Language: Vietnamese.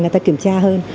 người ta kiểm tra hơn